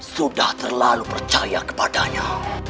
sudah terlalu percaya kepadanya